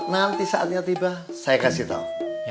nanti saatnya tiba saya kasih tahu